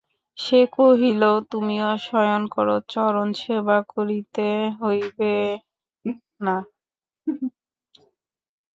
সে কহিল, তুমিও শয়ন কর চরণ সেবা করিতে হইবেক না।